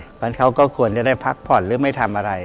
เพราะฉะนั้นเขาก็ควรจะได้พักผ่อนหรือไม่ทำอะไร